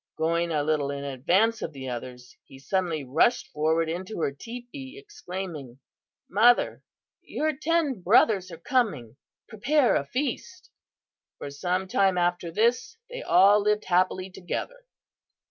Going a little in advance of the others, he suddenly rushed forward into her teepee, exclaiming: 'Mother, your ten brothers are coming prepare a feast!' "For some time after this they all lived happily together.